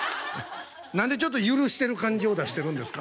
何でちょっと許してる感じを出してるんですか？